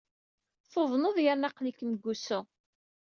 Tuḍneḍ yerna aql-ikem deg wusu.